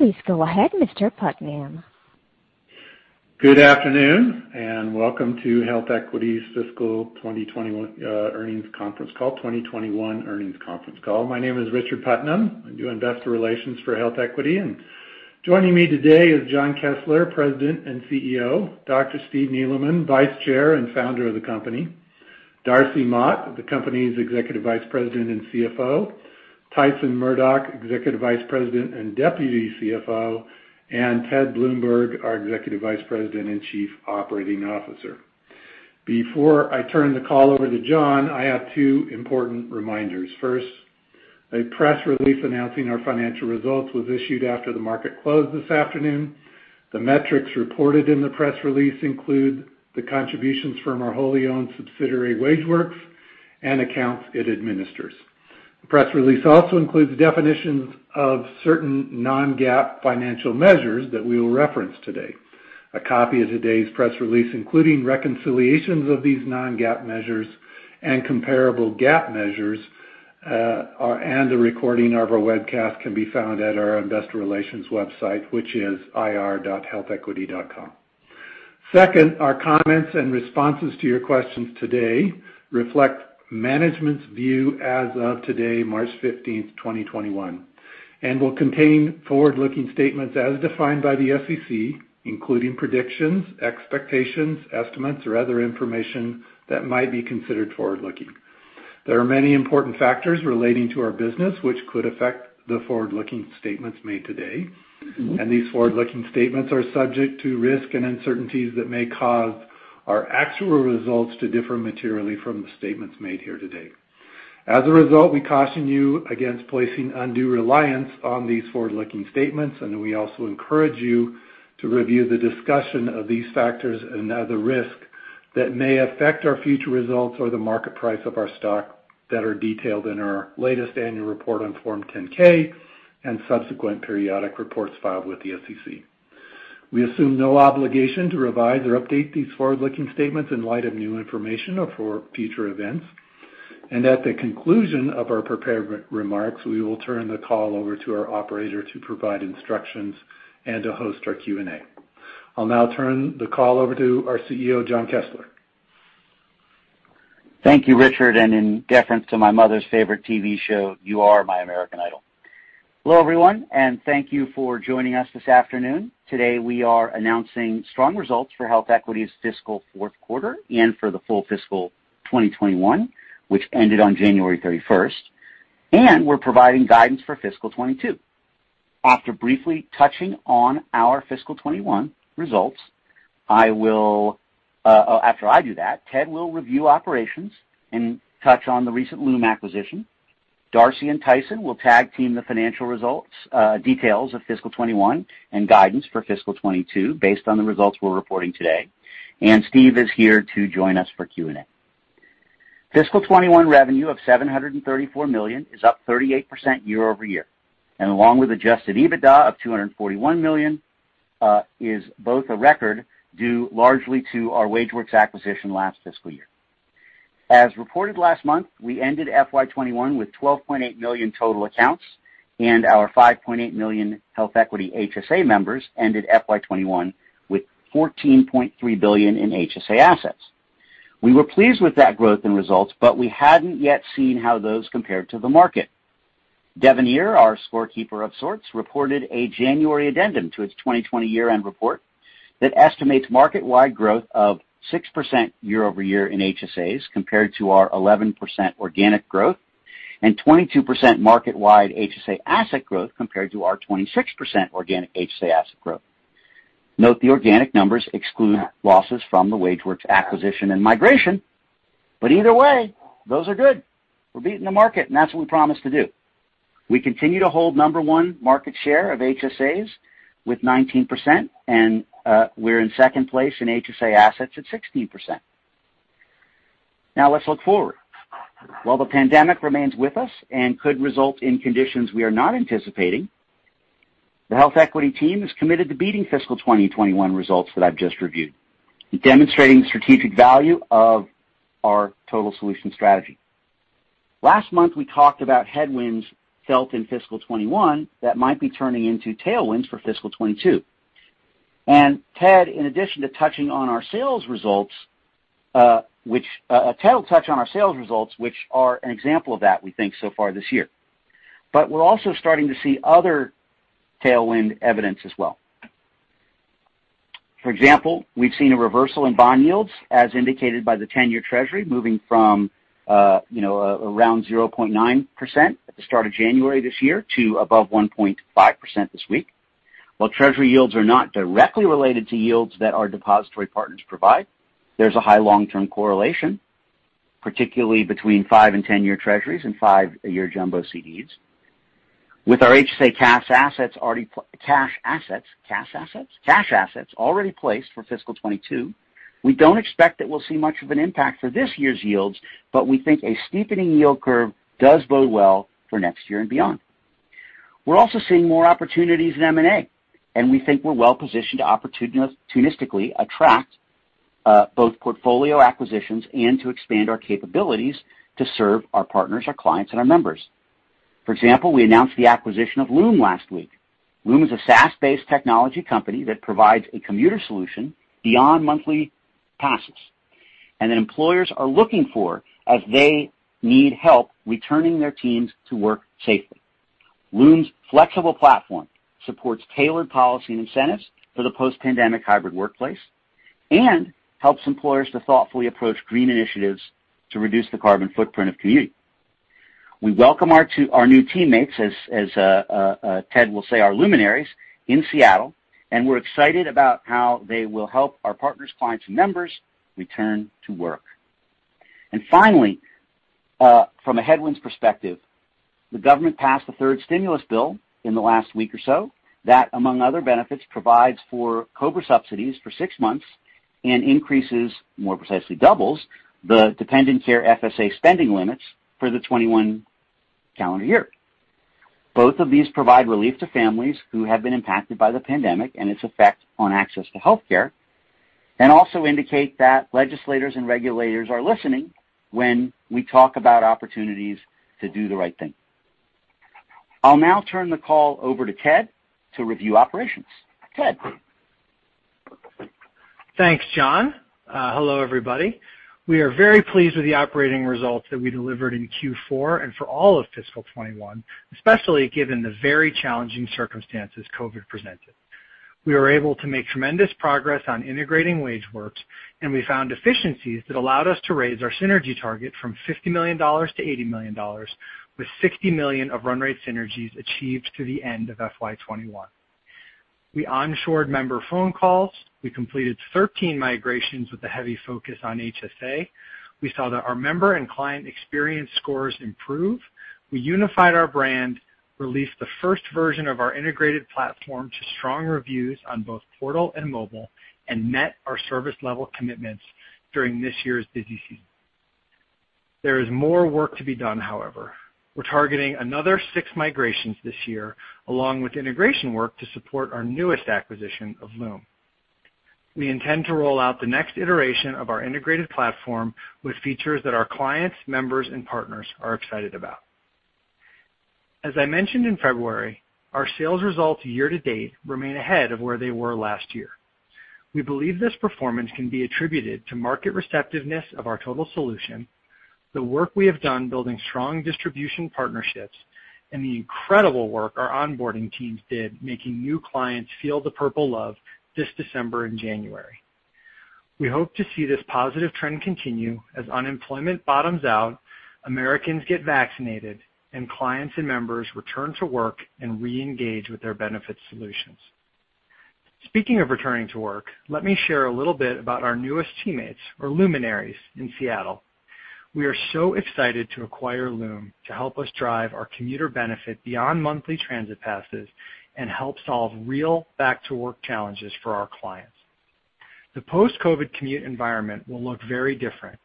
Please go ahead, Mr. Putnam. Good afternoon, welcome to HealthEquity's fiscal 2021 earnings conference call. My name is Richard Putnam. I do investor relations for HealthEquity. Joining me today is Jon Kessler, President and CEO, Dr. Steve Neeleman, Vice Chair and Founder of the company, Darcy Mott, the company's Executive Vice President and CFO, Tyson Murdock, Executive Vice President and Deputy CFO, and Ted Bloomberg, our Executive Vice President and Chief Operating Officer. Before I turn the call over to Jon, I have two important reminders. First, a press release announcing our financial results was issued after the market closed this afternoon. The metrics reported in the press release include the contributions from our wholly owned subsidiary, WageWorks, and accounts it administers. The press release also includes the definitions of certain non-GAAP financial measures that we will reference today. A copy of today's press release, including reconciliations of these non-GAAP measures and comparable GAAP measures, a recording of our webcast, can be found at our investor relations website, which is ir.healthequity.com. Second, our comments and responses to your questions today reflect management's view as of today, March 15th, 2021, will contain forward-looking statements as defined by the SEC, including predictions, expectations, estimates, or other information that might be considered forward looking. There are many important factors relating to our business, which could affect the forward-looking statements made today. These forward-looking statements are subject to risks and uncertainties that may cause our actual results to differ materially from the statements made here today. As a result, we caution you against placing undue reliance on these forward-looking statements. We also encourage you to review the discussion of these factors and other risks that may affect our future results or the market price of our stock that are detailed in our latest annual report on Form 10-K and subsequent periodic reports filed with the SEC. We assume no obligation to revise or update these forward-looking statements in light of new information or for future events. At the conclusion of our prepared remarks, we will turn the call over to our operator to provide instructions and to host our Q&A. I'll now turn the call over to our CEO, Jon Kessler. Thank you, Richard. In deference to my mother's favorite TV show, you are my American Idol. Hello, everyone, and thank you for joining us this afternoon. Today, we are announcing strong results for HealthEquity's fiscal fourth quarter and for the full fiscal 2021, which ended on January 31st, and we're providing guidance for fiscal 2022. After briefly touching on our fiscal 2021 results, Ted will review operations and touch on the recent Luum acquisition. Darcy and Tyson will tag team the financial results details of fiscal 2021 and guidance for fiscal 2022 based on the results we're reporting today. Steve is here to join us for Q&A. Fiscal 2021 revenue of $734 million is up 38% year-over-year, and along with adjusted EBITDA of $241 million, is both a record due largely to our WageWorks acquisition last fiscal year. As reported last month, we ended FY 2021 with 12.8 million total accounts, and our 5.8 million HealthEquity HSA members ended FY 2021 with $14.3 billion in HSA assets. We were pleased with that growth and results, but we hadn't yet seen how those compared to the market. Devenir, our scorekeeper of sorts, reported a January addendum to its 2020 year-end report that estimates market-wide growth of 6% year-over-year in HSAs compared to our 11% organic growth and 22% market-wide HSA asset growth compared to our 26% organic HSA asset growth. Note, the organic numbers exclude losses from the WageWorks acquisition and migration. Either way, those are good. We're beating the market, and that's what we promised to do. We continue to hold number 1 market share of HSAs with 19%, and we're in 2nd place in HSA assets at 16%. Let's look forward. While the pandemic remains with us and could result in conditions we are not anticipating, the HealthEquity team is committed to beating fiscal 2021 results that I've just reviewed, demonstrating the strategic value of our total solution strategy. Last month, we talked about headwinds felt in fiscal 2021 that might be turning into tailwinds for fiscal 2022. Ted, in addition to touching on our sales results, which are an example of that, we think, so far this year. We're also starting to see other tailwind evidence as well. For example, we've seen a reversal in bond yields, as indicated by the 10-year Treasury moving from around 0.9% at the start of January this year to above 1.5% this week. While Treasury yields are not directly related to yields that our depository partners provide, there's a high long-term correlation, particularly between 5- and 10-year Treasuries and 5-year Jumbo CDs. With our HSA cash assets already placed for fiscal 2022, we don't expect that we'll see much of an impact for this year's yields, but we think a steepening yield curve does bode well for next year and beyond. We're also seeing more opportunities in M&A, and we think we're well-positioned to opportunistically attract both portfolio acquisitions and to expand our capabilities to serve our partners, our clients, and our members. For example, we announced the acquisition of Luum last week. Luum is a SaaS-based technology company that provides a commuter solution beyond monthly passes, and that employers are looking for as they need help returning their teams to work safely. Luum's flexible platform supports tailored policy and incentives for the post-pandemic hybrid workplace and helps employers to thoughtfully approach green initiatives to reduce the carbon footprint of commuting. We welcome our new teammates, as Ted will say, our Luminaries, in Seattle, and we're excited about how they will help our partners, clients, and members return to work. Finally, from a headwinds perspective, the government passed the third stimulus bill in the last week or so. That, among other benefits, provides for COBRA subsidies for six months and increases, more precisely doubles, the dependent care FSA spending limits for the 2021 calendar year. Both of these provide relief to families who have been impacted by the pandemic and its effect on access to healthcare, and also indicate that legislators and regulators are listening when we talk about opportunities to do the right thing. I'll now turn the call over to Ted to review operations. Ted? Thanks, Jon. Hello, everybody. We are very pleased with the operating results that we delivered in Q4 and for all of fiscal 2021, especially given the very challenging circumstances COVID presented. We were able to make tremendous progress on integrating WageWorks, and we found efficiencies that allowed us to raise our synergy target from $50 million to $80 million, with $60 million of run rate synergies achieved through the end of FY 2021. We onshored member phone calls. We completed 13 migrations with a heavy focus on HSA. We saw that our member and client experience scores improve. We unified our brand, released the first version of our integrated platform to strong reviews on both portal and mobile, and met our service level commitments during this year's busy season. There is more work to be done, however. We're targeting another six migrations this year, along with integration work to support our newest acquisition of Luum. We intend to roll out the next iteration of our integrated platform with features that our clients, members, and partners are excited about. As I mentioned in February, our sales results year-to-date remain ahead of where they were last year. We believe this performance can be attributed to market receptiveness of our total solution, the work we have done building strong distribution partnerships, and the incredible work our onboarding teams did making new clients feel the Purple love this December and January. We hope to see this positive trend continue as unemployment bottoms out, Americans get vaccinated, and clients and members return to work and reengage with their benefits solutions. Speaking of returning to work, let me share a little bit about our newest teammates, or Luminaries, in Seattle. We are so excited to acquire Luum to help us drive our commuter benefit beyond monthly transit passes and help solve real back-to-work challenges for our clients. The post-COVID commute environment will look very different,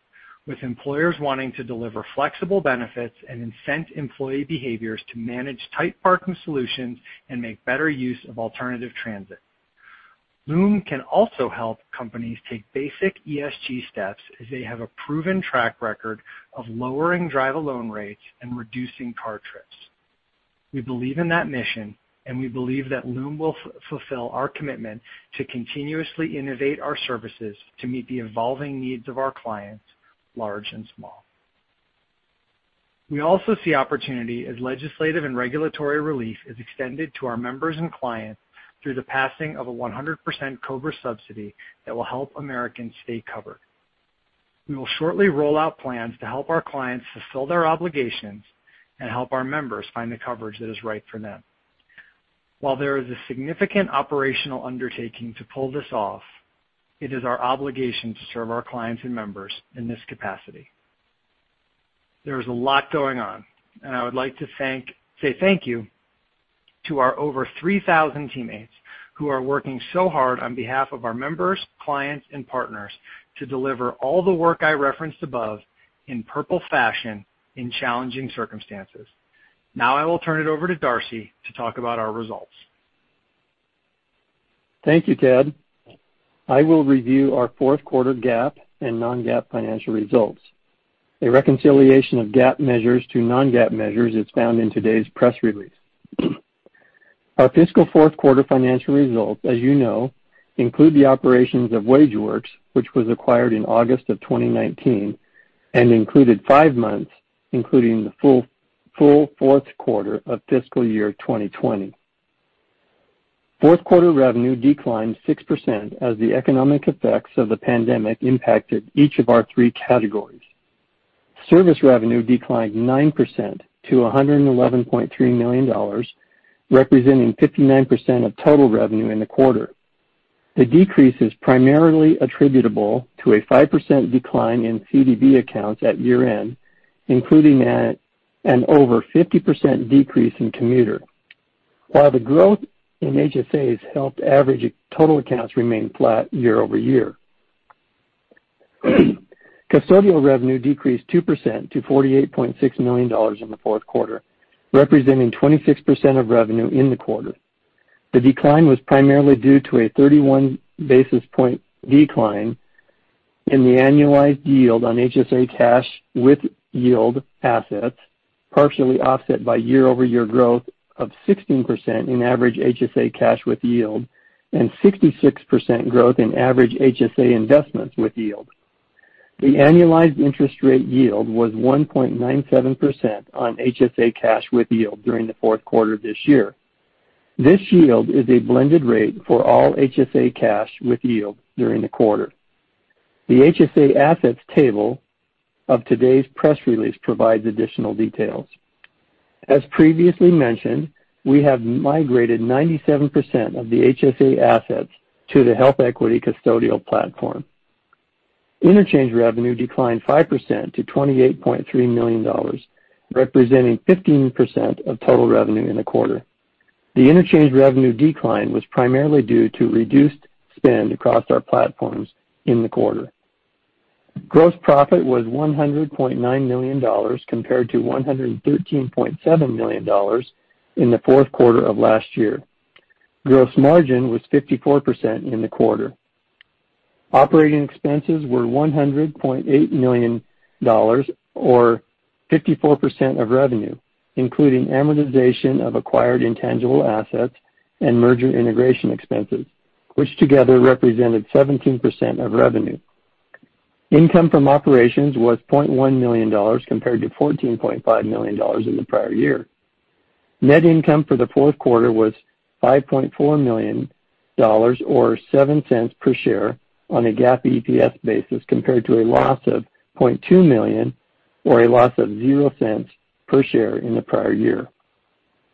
with employers wanting to deliver flexible benefits and incent employee behaviors to manage tight parking solutions and make better use of alternative transit. Luum can also help companies take basic ESG steps, as they have a proven track record of lowering drive alone rates and reducing car trips. We believe in that mission, and we believe that Luum will fulfill our commitment to continuously innovate our services to meet the evolving needs of our clients, large and small. We also see opportunity as legislative and regulatory relief is extended to our members and clients through the passing of a 100% COBRA subsidy that will help Americans stay covered. We will shortly roll out plans to help our clients fulfill their obligations and help our members find the coverage that is right for them. While there is a significant operational undertaking to pull this off, it is our obligation to serve our clients and members in this capacity. I would like to say thank you to our over 3,000 teammates who are working so hard on behalf of our members, clients, and partners to deliver all the work I referenced above in Purple fashion in challenging circumstances. I will turn it over to Darcy to talk about our results. Thank you, Ted. I will review our fourth quarter GAAP and non-GAAP financial results. A reconciliation of GAAP measures to non-GAAP measures is found in today's press release. Our fiscal fourth quarter financial results, as you know, include the operations of WageWorks, which was acquired in August of 2019 and included five months, including the full fourth quarter of fiscal year 2020. Fourth quarter revenue declined 6% as the economic effects of the pandemic impacted each of our three categories. Service revenue declined 9% to $111.3 million, representing 59% of total revenue in the quarter. The decrease is primarily attributable to a 5% decline in CDB accounts at year-end, including an over 50% decrease in commuter. While the growth in HSAs helped average total accounts remain flat year-over-year Custodial revenue decreased 2% to $48.6 million in the fourth quarter, representing 26% of revenue in the quarter. The decline was primarily due to a 31 basis point decline in the annualized yield on HSA cash with yield assets, partially offset by year-over-year growth of 16% in average HSA cash with yield and 66% growth in average HSA investments with yield. The annualized interest rate yield was 1.97% on HSA cash with yield during the fourth quarter of this year. This yield is a blended rate for all HSA cash with yield during the quarter. The HSA assets table of today's press release provides additional details. As previously mentioned, we have migrated 97% of the HSA assets to the HealthEquity custodial platform. Interchange revenue declined 5% to $28.3 million, representing 15% of total revenue in the quarter. The interchange revenue decline was primarily due to reduced spend across our platforms in the quarter. Gross profit was $100.9 million, compared to $113.7 million in the fourth quarter of last year. Gross margin was 54% in the quarter. Operating expenses were $100.8 million or 54% of revenue, including amortization of acquired intangible assets and merger integration expenses, which together represented 17% of revenue. Income from operations was $0.1 million compared to $14.5 million in the prior year. Net income for the fourth quarter was $5.4 million or $0.07 per share on a GAAP EPS basis, compared to a loss of $0.2 million or a loss of $0.00 per share in the prior year.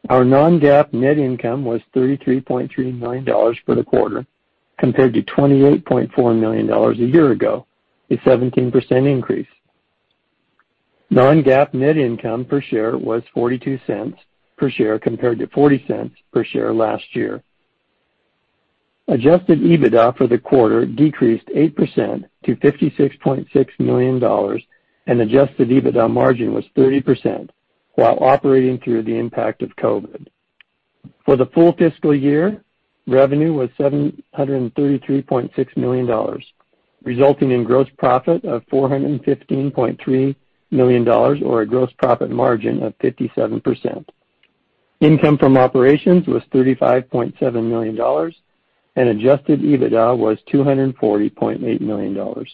Our non-GAAP net income was $33.39 for the quarter, compared to $28.4 million a year ago, a 17% increase. Non-GAAP net income per share was $0.42 per share, compared to $0.40 per share last year. Adjusted EBITDA for the quarter decreased 8% to $56.6 million, and adjusted EBITDA margin was 30%, while operating through the impact of COVID. For the full fiscal year, revenue was $733.6 million, resulting in gross profit of $415.3 million or a gross profit margin of 57%. Income from operations was $35.7 million, and adjusted EBITDA was $240.8 million.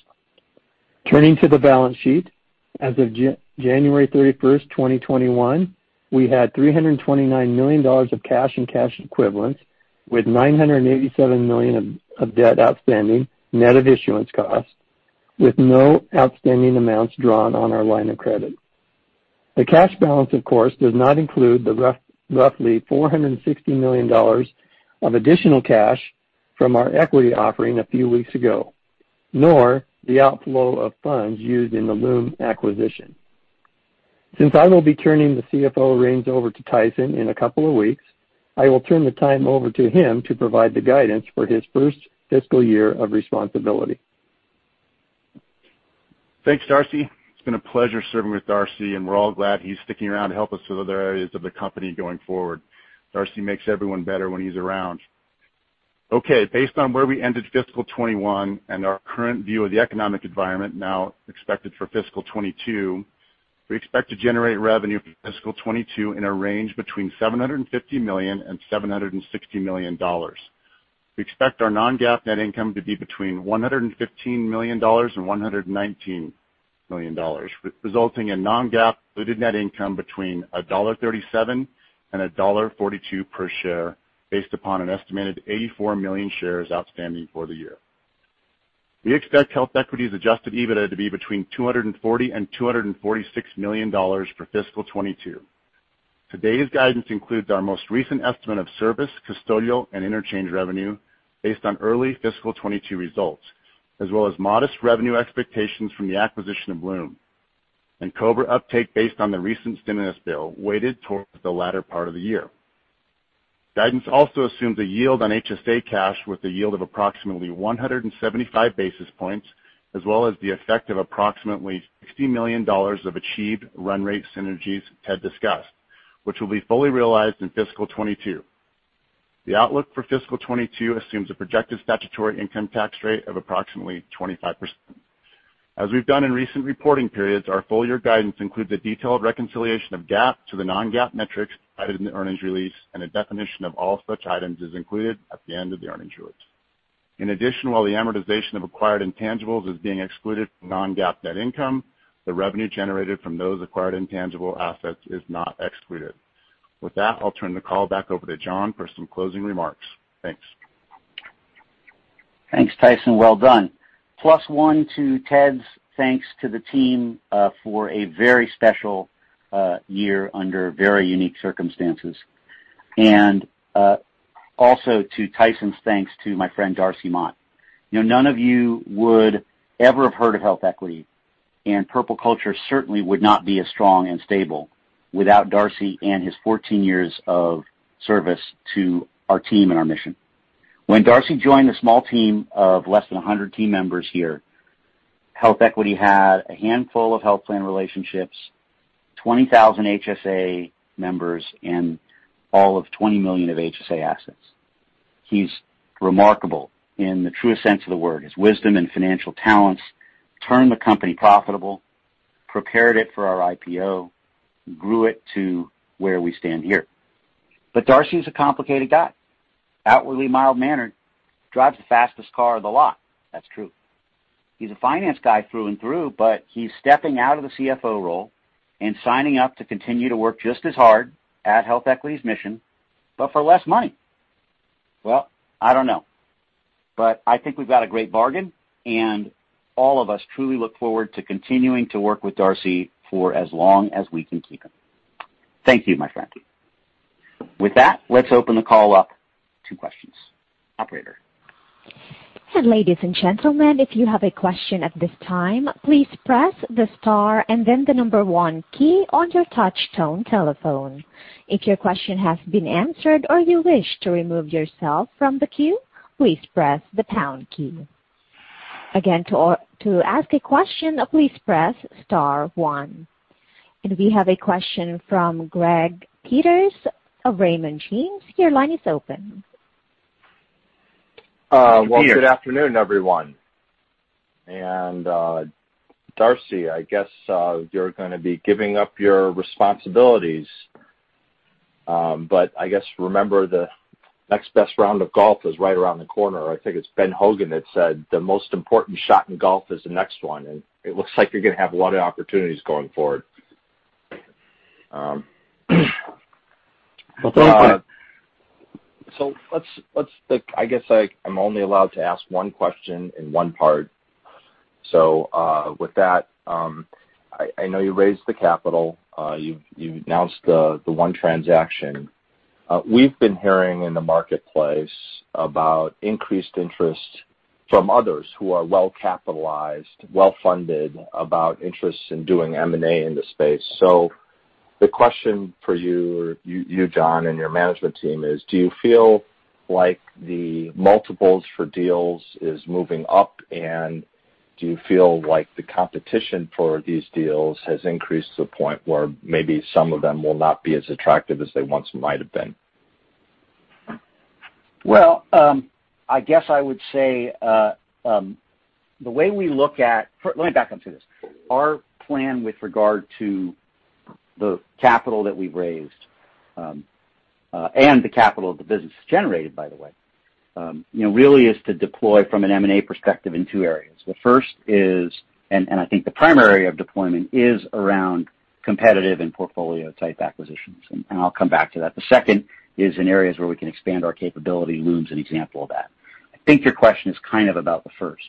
Turning to the balance sheet, as of January 31st, 2021, we had $329 million of cash and cash equivalents with $987 million of debt outstanding, net of issuance costs, with no outstanding amounts drawn on our line of credit. The cash balance, of course, does not include the roughly $460 million of additional cash from our equity offering a few weeks ago, nor the outflow of funds used in the Luum acquisition. Since I will be turning the CFO reins over to Tyson in a couple of weeks, I will turn the time over to him to provide the guidance for his first fiscal year of responsibility. Thanks, Darcy. It's been a pleasure serving with Darcy, and we're all glad he's sticking around to help us with other areas of the company going forward. Darcy makes everyone better when he's around. Based on where we ended fiscal 2021 and our current view of the economic environment now expected for fiscal 2022, we expect to generate revenue for fiscal 2022 in a range between $750 million and $760 million. We expect our non-GAAP net income to be between $115 million and $119 million, resulting in non-GAAP diluted net income between $1.37 and $1.42 per share based upon an estimated 84 million shares outstanding for the year. We expect HealthEquity's adjusted EBITDA to be between $240 million and $246 million for fiscal 2022. Today's guidance includes our most recent estimate of service, custodial, and interchange revenue based on early fiscal 2022 results, as well as modest revenue expectations from the acquisition of Luum and COBRA uptake based on the recent stimulus bill, weighted towards the latter part of the year. Guidance also assumes a yield on HSA cash with a yield of approximately 175 basis points, as well as the effect of approximately $60 million of achieved run rate synergies Ted discussed, which will be fully realized in fiscal 2022. The outlook for fiscal 2022 assumes a projected statutory income tax rate of approximately 25%. As we've done in recent reporting periods, our full-year guidance includes a detailed reconciliation of GAAP to the non-GAAP metrics included in the earnings release, and a definition of all such items is included at the end of the earnings release. In addition, while the amortization of acquired intangibles is being excluded from non-GAAP net income, the revenue generated from those acquired intangible assets is not excluded. With that, I'll turn the call back over to Jon for some closing remarks. Thanks. Thanks, Tyson. Well done. Plus one to Ted's thanks to the team for a very special year under very unique circumstances. Also to Tyson's thanks to my friend Darcy Mott. None of you would ever have heard of HealthEquity, and Purple Culture certainly would not be as strong and stable without Darcy and his 14 years of service to our team and our mission. When Darcy joined the small team of less than 100 team members here, HealthEquity had a handful of health plan relationships, 20,000 HSA members, and all of $20 million of HSA assets. He's remarkable in the truest sense of the word. His wisdom and financial talents turned the company profitable, prepared it for our IPO, grew it to where we stand here. Darcy is a complicated guy. Outwardly mild-mannered, drives the fastest car of the lot. That's true. He's a finance guy through and through, he's stepping out of the CFO role and signing up to continue to work just as hard at HealthEquity's mission, for less money. I don't know. I think we've got a great bargain, and all of us truly look forward to continuing to work with Darcy for as long as we can keep him. Thank you, my friend. With that, let's open the call up to questions. Operator. Ladies and gentlemen, if you have a question at this time, please press the star and then the number one key on your touch tone telephone. If your question has been answered, or you wish to remove yourself from the queue, please press the pound key. Again, to ask a question, please press star one. We have a question from Greg Peters of Raymond James. Your line is open. Thank you. Well, good afternoon, everyone. Darcy, I guess, you're going to be giving up your responsibilities, but I guess remember the next best round of golf is right around the corner. I think it's Ben Hogan that said, "The most important shot in golf is the next one," it looks like you're going to have a lot of opportunities going forward. Well, thank you. I guess I'm only allowed to ask one question in one part. With that, I know you raised the capital. You've announced the one transaction. We've been hearing in the marketplace about increased interest from others who are well-capitalized, well-funded, about interests in doing M&A in this space. The question for you, Jon, and your management team is: Do you feel like the multiples for deals is moving up, and do you feel like the competition for these deals has increased to the point where maybe some of them will not be as attractive as they once might have been? I guess I would say, Let me back up to this. Our plan with regard to the capital that we've raised, and the capital that the business has generated, by the way, really is to deploy from an M&A perspective in two areas. The first is, and I think the primary of deployment, is around competitive and portfolio-type acquisitions, and I'll come back to that. The second is in areas where we can expand our capability. Luum's an example of that. I think your question is kind of about the first.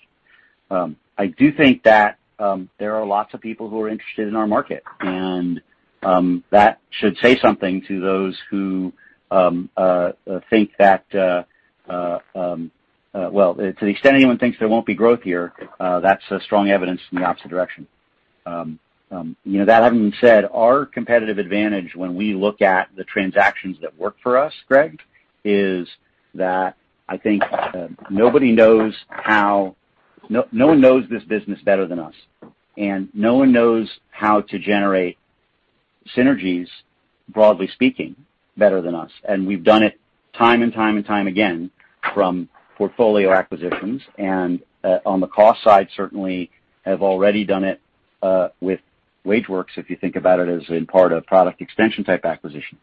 I do think that there are lots of people who are interested in our market, and that should say something to those who think that to the extent anyone thinks there won't be growth here, that's strong evidence in the opposite direction. That having been said, our competitive advantage when we look at the transactions that work for us, Greg, is that I think nobody knows this business better than us, and no one knows how to generate synergies, broadly speaking, better than us. We've done it time and time and time again from portfolio acquisitions and, on the cost side, certainly have already done it with WageWorks, if you think about it as in part a product extension type acquisition.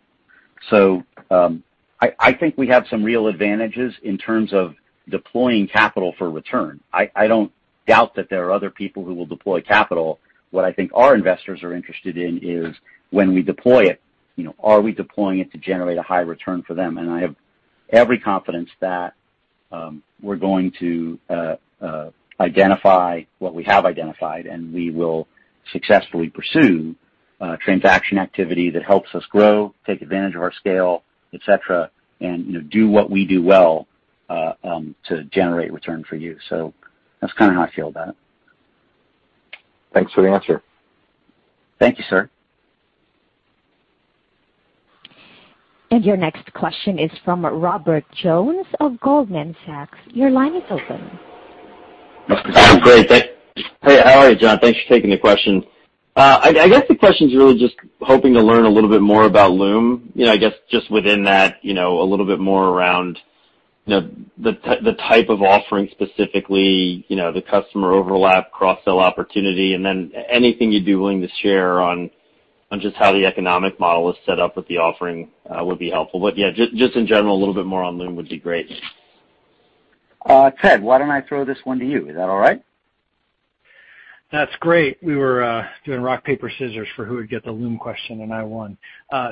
I think we have some real advantages in terms of deploying capital for return. I don't doubt that there are other people who will deploy capital. What I think our investors are interested in is when we deploy it, are we deploying it to generate a high return for them? I have every confidence that we're going to identify what we have identified, and we will successfully pursue transaction activity that helps us grow, take advantage of our scale, et cetera, and do what we do well to generate return for you. That's kind of how I feel about it. Thanks for the answer. Thank you, sir. Your next question is from Robert Jones of Goldman Sachs. Your line is open. Mr. Jones. Great. Hey, how are you, Jon? Thanks for taking the question. I guess the question's really just hoping to learn a little bit more about Luum. I guess just within that, a little bit more around the type of offering specifically, the customer overlap, cross-sell opportunity, and then anything you'd be willing to share on just how the economic model is set up with the offering would be helpful. Yeah, just in general, a little bit more on Luum would be great. Ted, why don't I throw this one to you? Is that all right? That's great. We were doing rock, paper, scissors for who would get the Luum question. I won.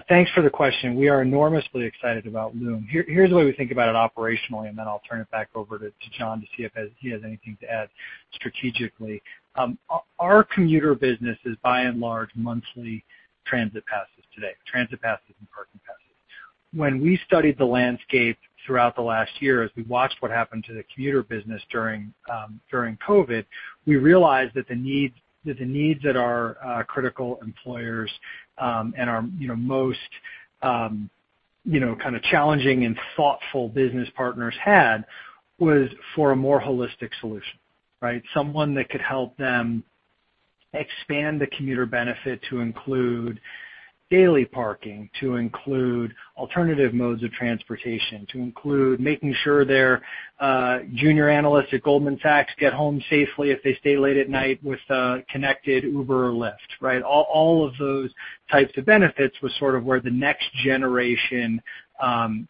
Thanks for the question. We are enormously excited about Luum. Here's the way we think about it operationally. I'll turn it back over to Jon to see if he has anything to add strategically. Our commuter business is by and large monthly transit passes today, transit passes and parking passes. When we studied the landscape throughout the last year, as we watched what happened to the commuter business during COVID, we realized that the needs that our critical employers and our most kind of challenging and thoughtful business partners had was for a more holistic solution, right? Someone that could help them expand the commuter benefit to include daily parking, to include alternative modes of transportation, to include making sure their junior analysts at Goldman Sachs get home safely if they stay late at night with a connected Uber or Lyft, right? All of those types of benefits was sort of where the next generation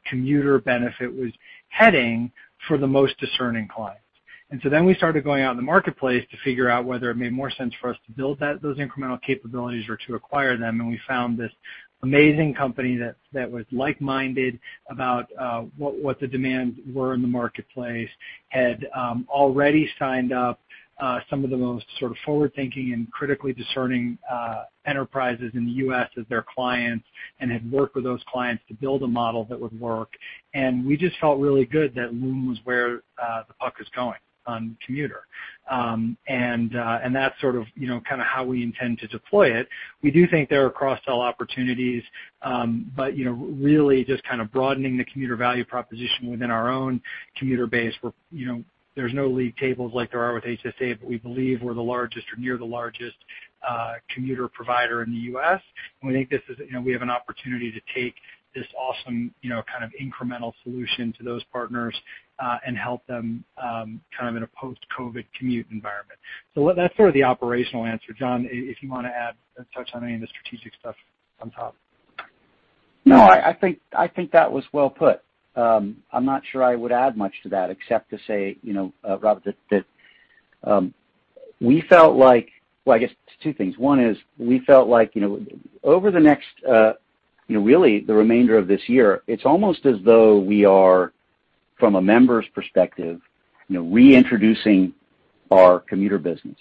commuter benefit was heading for the most discerning clients. We started going out in the marketplace to figure out whether it made more sense for us to build those incremental capabilities or to acquire them. We found this amazing company that was like-minded about what the demands were in the marketplace, had already signed up some of the most sort of forward-thinking and critically discerning enterprises in the U.S. as their clients, and had worked with those clients to build a model that would work. We just felt really good that Luum was where the puck is going on commuter. That's sort of how we intend to deploy it. We do think there are cross-sell opportunities, but really just kind of broadening the commuter value proposition within our own commuter base where there's no league tables like there are with HSA, but we believe we're the largest or near the largest commuter provider in the U.S. We think we have an opportunity to take this awesome kind of incremental solution to those partners and help them kind of in a post-COVID commute environment. That's sort of the operational answer. Jon, if you want to add or touch on any of the strategic stuff on top. No, I think that was well put. I'm not sure I would add much to that except to say, Rob, that we felt like I guess it's two things. One is we felt like over the next really the remainder of this year, it's almost as though we are, from a members perspective, reintroducing our commuter business.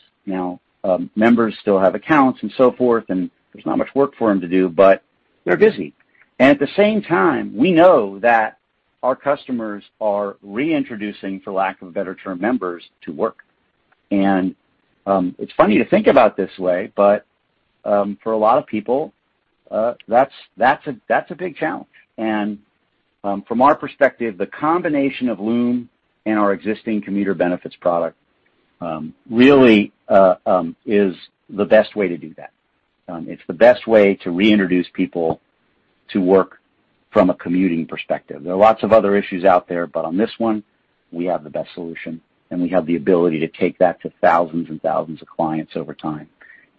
Members still have accounts and so forth, and there's not much work for them to do, but they're busy. At the same time, we know that our customers are reintroducing, for lack of a better term, members to work. It's funny to think about it this way, but for a lot of people, that's a big challenge. From our perspective, the combination of Luum and our existing commuter benefits product really is the best way to do that. It's the best way to reintroduce people to work from a commuting perspective. There are lots of other issues out there, but on this one, we have the best solution and we have the ability to take that to thousands and thousands of clients over time,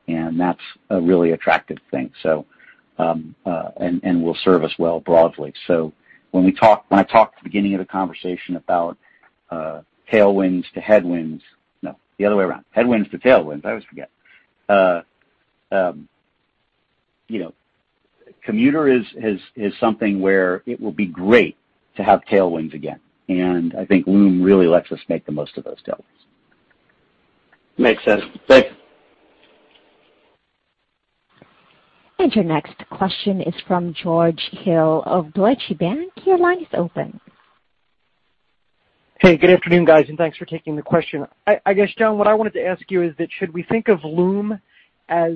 and that's a really attractive thing. Will serve us well broadly. When I talked at the beginning of the conversation about headwinds to tailwinds, I always forget. Commuter is something where it will be great to have tailwinds again, I think Luum really lets us make the most of those tailwinds. Makes sense. Thanks. Your next question is from George Hill of Deutsche Bank. Your line is open. Hey, good afternoon, guys, and thanks for taking the question. I guess, Jon, what I wanted to ask you is that should we think of Luum as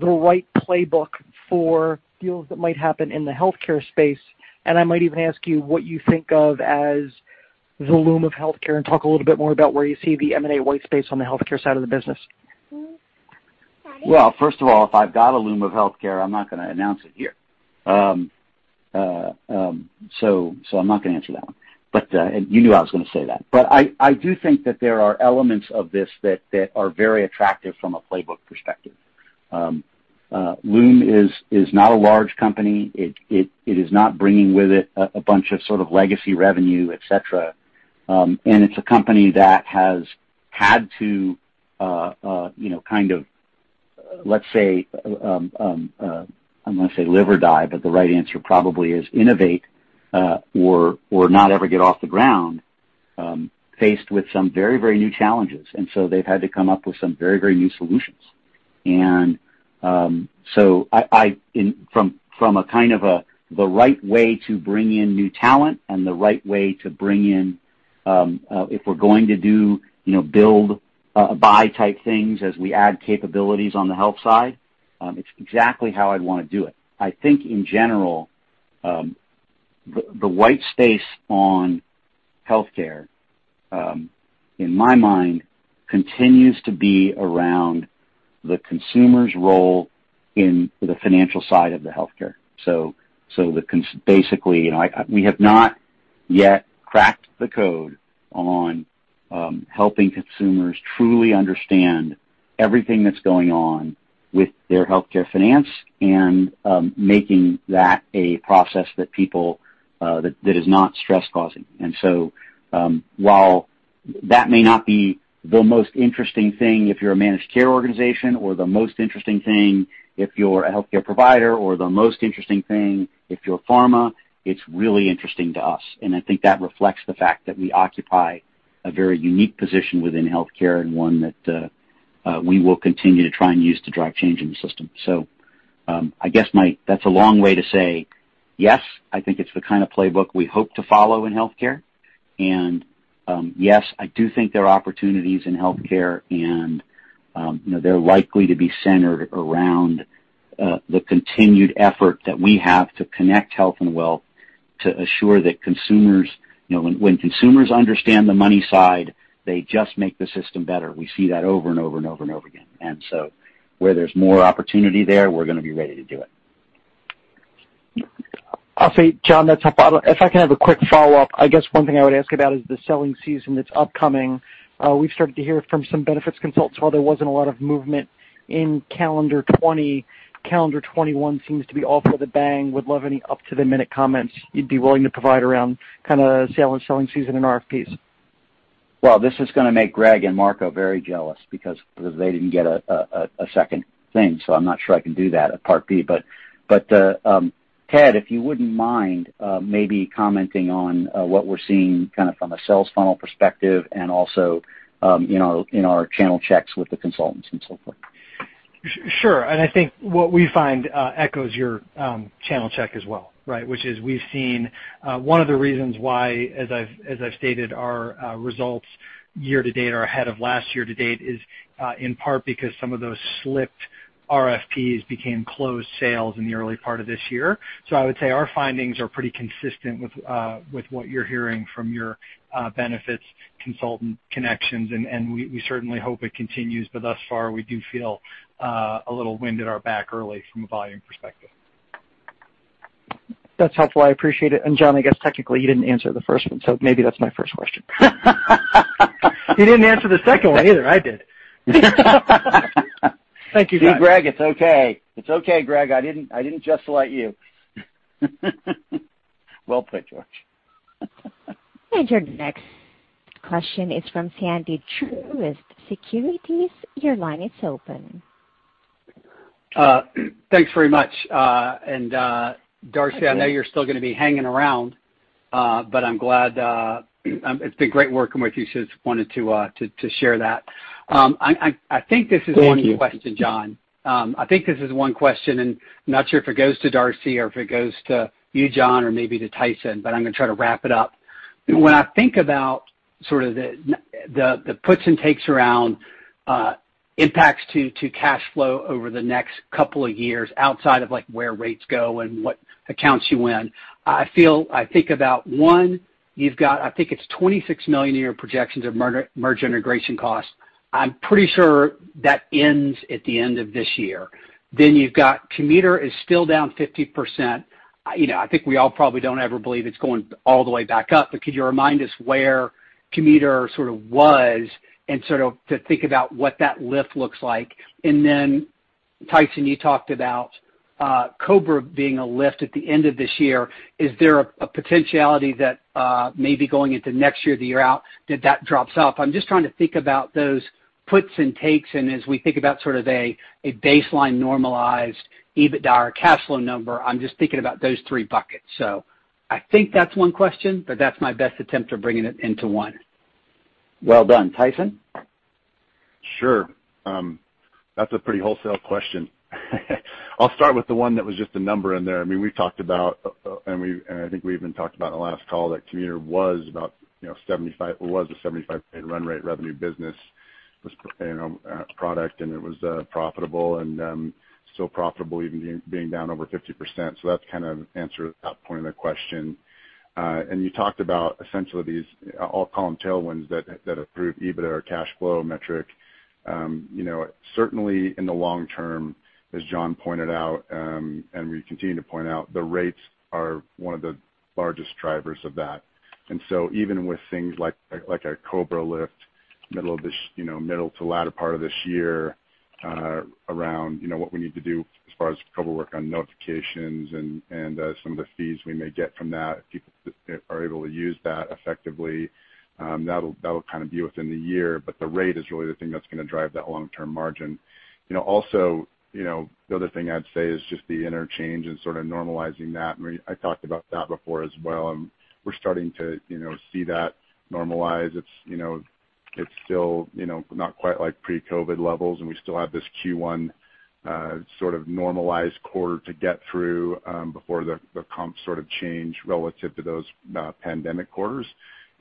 the right playbook for deals that might happen in the healthcare space? I might even ask you what you think of as the Luum of healthcare, and talk a little bit more about where you see the M&A white space on the healthcare side of the business. Well, first of all, if I've got a Luum of healthcare, I'm not going to announce it here. I'm not going to answer that one. You knew I was going to say that. I do think that there are elements of this that are very attractive from a playbook perspective. Luum is not a large company. It is not bringing with it a bunch of sort of legacy revenue, et cetera. It's a company that has had to, kind of, let's say, I'm going to say live or die, but the right answer probably is innovate or not ever get off the ground, faced with some very new challenges. They've had to come up with some very new solutions. From a kind of the right way to bring in new talent and the right way to bring in If we're going to do build, buy type things as we add capabilities on the health side, it's exactly how I'd want to do it. I think in general, the white space on healthcare, in my mind, continues to be around the consumer's role in the financial side of the healthcare. We have not yet cracked the code on helping consumers truly understand everything that's going on with their healthcare finance and making that a process that is not stress-causing. While that may not be the most interesting thing if you're a managed care organization, or the most interesting thing if you're a healthcare provider, or the most interesting thing if you're pharma, it's really interesting to us. I think that reflects the fact that we occupy a very unique position within healthcare, and one that we will continue to try and use to drive change in the system. I guess that's a long way to say, yes, I think it's the kind of playbook we hope to follow in healthcare. Yes, I do think there are opportunities in healthcare, and they're likely to be centered around the continued effort that we have to connect health and wealth to assure that consumers. When consumers understand the money side, they just make the system better. We see that over and over and over and over again. Where there's more opportunity there, we're going to be ready to do it. I'll say, Jon, that's helpful. If I can have a quick follow-up, I guess one thing I would ask about is the selling season that's upcoming. We've started to hear from some benefits consultants, while there wasn't a lot of movement in calendar 2020, calendar 2021 seems to be off with a bang. Would love any up-to-the-minute comments you'd be willing to provide around kind of sales, selling season, and RFPs. Well, this is going to make Greg and Marco very jealous because they didn't get a second thing. I'm not sure I can do that at Part B. Ted, if you wouldn't mind maybe commenting on what we're seeing kind of from a sales funnel perspective and also in our channel checks with the consultants and so forth. Sure. I think what we find echoes your channel check as well, right? Which is we've seen one of the reasons why, as I've stated, our results year to date are ahead of last year to date is in part because some of those slipped RFPs became closed sales in the early part of this year. I would say our findings are pretty consistent with what you're hearing from your benefits consultant connections, and we certainly hope it continues. Thus far, we do feel a little wind at our back early from a volume perspective. That's helpful. I appreciate it. Jon, I guess technically you didn't answer the first one, maybe that's my first question. You didn't answer the second one either. I did. Thank you, Jon. Greg, it's okay. It's okay, Greg, I didn't just let you. Well put, George. Your next question is from Sandy, Truist Securities. Your line is open. Thanks very much. Darcy, I know you're still going to be hanging around, but it's been great working with you, just wanted to share that. I think this is 1 question, Jon. I think this is 1 question, I'm not sure if it goes to Darcy or if it goes to you, Jon, or maybe to Tyson, I'm going to try to wrap it up. When I think about sort of the puts and takes around impacts to cash flow over the next couple of years, outside of where rates go and what accounts you win, I think about 1, you've got I think it's $26 million a year projections of merger integration costs. I'm pretty sure that ends at the end of this year. You've got Commuter is still down 50%. I think we all probably don't ever believe it's going all the way back up, could you remind us where Commuter sort of was and sort of to think about what that lift looks like? Tyson, you talked about COBRA being a lift at the end of this year. Is there a potentiality that maybe going into next year, the year out, that that drops off? I'm just trying to think about those puts and takes, as we think about sort of a baseline normalized EBITDA or cash flow number, I'm just thinking about those three buckets. I think that's 1 question, that's my best attempt of bringing it into 1. Well done. Tyson? Sure. That's a pretty wholesale question. I'll start with the one that was just a number in there. We talked about, and I think we even talked about in the last call, that Commuter was a $75 million run rate revenue business product, and it was profitable, and still profitable even being down over 50%. That kind of answers that point of the question. You talked about essentially these I'll call them tailwinds that improve EBITDA or cash flow metric. Certainly in the long term, as Jon pointed out, and we continue to point out, the rates are one of the largest drivers of that. Even with things like a COBRA lift, middle to latter part of this year, around what we need to do as far as COBRA work on notifications and some of the fees we may get from that, if people are able to use that effectively, that'll kind of be within the year. The rate is really the thing that's going to drive that long-term margin. Also, the other thing I'd say is just the interchange and sort of normalizing that. I talked about that before as well, and we're starting to see that normalize. It's still not quite like pre-COVID levels, and we still have this Q1 sort of normalized quarter to get through before the comps sort of change relative to those pandemic quarters.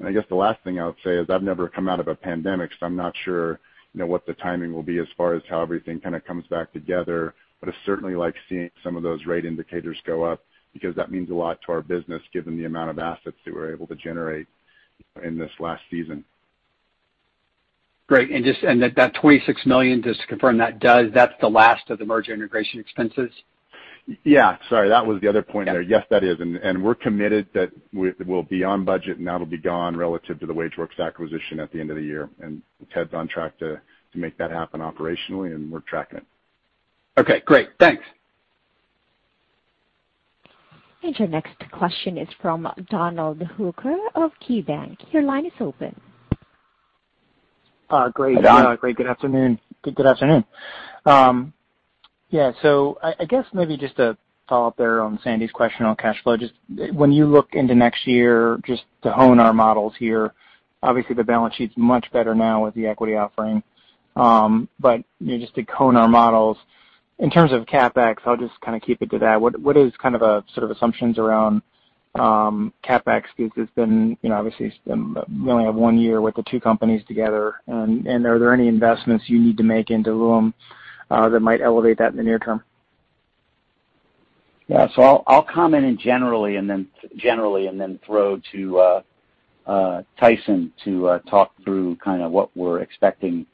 I guess the last thing I would say is I've never come out of a pandemic, so I'm not sure what the timing will be as far as how everything kind of comes back together. I certainly like seeing some of those rate indicators go up because that means a lot to our business given the amount of assets that we're able to generate in this last season. Great. That $26 million, just to confirm that's the last of the merger integration expenses? Yeah. Sorry, that was the other point there. Yes, that is. We're committed that we'll be on budget, and that'll be gone relative to the WageWorks acquisition at the end of the year. Ted's on track to make that happen operationally, and we're tracking it. Okay, great. Thanks. Your next question is from Donald Hooker of KeyBank. Your line is open. Hi, Donald. Great. Good afternoon. I guess maybe just to follow up there on Sandy's question on cash flow. When you look into next year, just to hone our models here, obviously the balance sheet's much better now with the equity offering. To hone our models in terms of CapEx, I'll just keep it to that. What is kind of assumptions around CapEx, because obviously we only have one year with the two companies together. Are there any investments you need to make into Luum that might elevate that in the near term? I'll comment in generally and then throw to Tyson to talk through kind of what we're expecting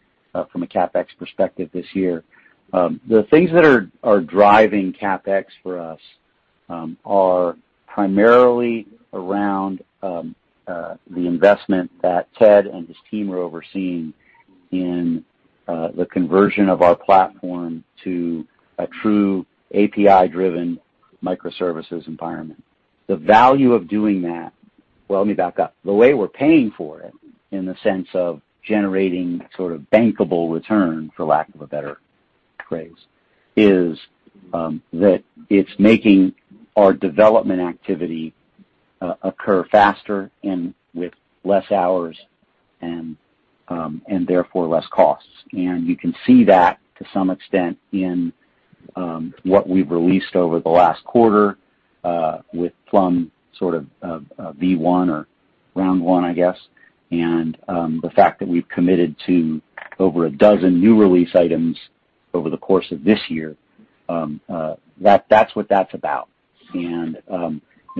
from a CapEx perspective this year. The things that are driving CapEx for us are primarily around the investment that Ted and his team are overseeing in the conversion of our platform to a true API-driven microservices environment. The value of doing that, let me back up. The way we're paying for it, in the sense of generating sort of bankable return, for lack of a better phrase, is that it's making our development activity occur faster and with less hours, and therefore less costs. You can see that to some extent in what we've released over the last quarter with Plum sort of V1 or round one, I guess. The fact that we've committed to over a dozen new release items over the course of this year, that's what that's about.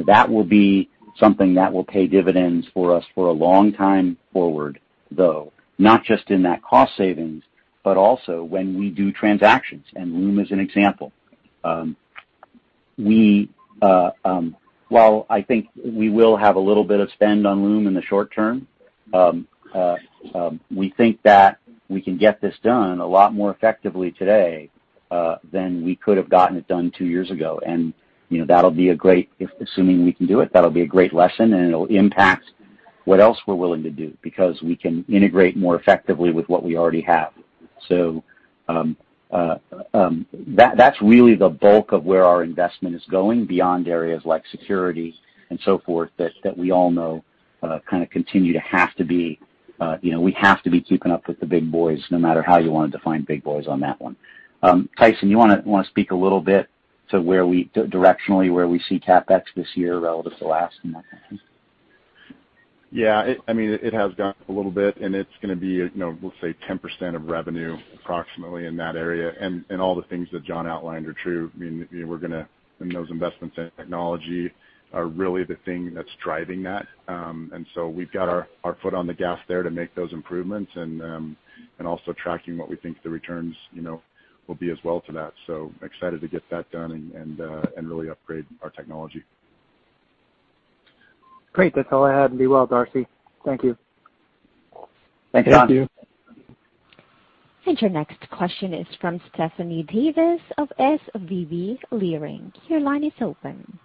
That will be something that will pay dividends for us for a long time forward, though, not just in that cost savings, but also when we do transactions. Luum is an example. While I think we will have a little bit of spend on Luum in the short term, we think that we can get this done a lot more effectively today, than we could have gotten it done two years ago. Assuming we can do it, that'll be a great lesson, and it'll impact what else we're willing to do, because we can integrate more effectively with what we already have. That's really the bulk of where our investment is going beyond areas like security and so forth, that we all know kind of continue to have to be keeping up with the big boys, no matter how you want to define big boys on that one. Tyson, you want to speak a little bit to directionally where we see CapEx this year relative to last and that kind of thing? Yeah. It has gone up a little bit, it's going to be, we'll say 10% of revenue, approximately in that area. All the things that Jon outlined are true. Those investments in technology are really the thing that's driving that. We've got our foot on the gas there to make those improvements and also tracking what we think the returns will be as well for that. Excited to get that done and really upgrade our technology. Great. That's all I had. Be well, Darcy. Thank you. Thank you, Jon. Thank you. Your next question is from Stephanie Davis of SVB Leerink. Your line is open.